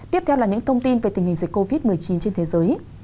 tiếp theo là những thông tin về tình hình dịch covid một mươi chín trên thế giới